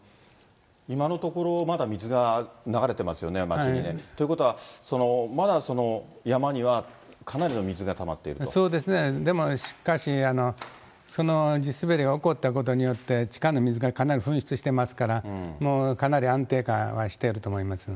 今のところ、まだ水が流れてますよね、町にね。ということは、まだ山にはかなりそうですね、でもしかし、その地滑りが起こったことで地下の水がかなり噴出してますから、もうかなり安定化はしていると思います。